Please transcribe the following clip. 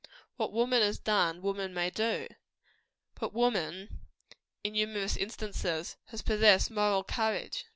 What woman has done, woman may do. But woman, in numerous instances, has possessed moral courage.